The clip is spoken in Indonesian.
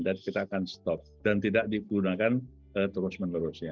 dan kita akan stop dan tidak digunakan terus menerusnya